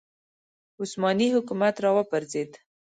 عثماني حکومت راوپرځېد